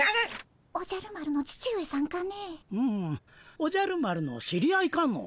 おじゃる丸の知り合いかの？